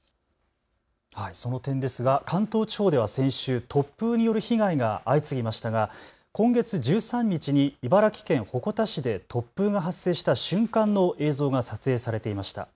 その点ですが関東地方では先週、突風による被害が相次ぎましたが今月１３日に茨城県鉾田市で突風が発生した瞬間の映像が撮影されていました。